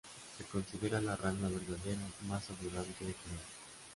Se considera la rana verdadera más abundante de Corea.